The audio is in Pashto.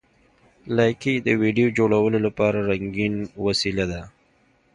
لایکي د ویډیو جوړولو لپاره رنګین وسیله ده.